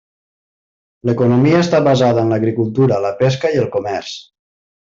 L'economia està basada en l'agricultura, la pesca i el comerç.